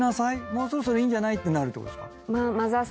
もうそろそろいいんじゃない」ってなるってことですか？